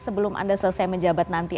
sebelum anda selesai menjabat nanti